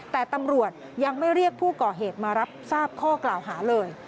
แต่ตำรวจยังไม่เรียกผู้ก่อเหตุมารับทราบข้อกล่าวหาเลย